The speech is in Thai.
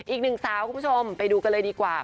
อีกหนึ่งสาวคุณผู้ชมไปดูกันเลยดีกว่า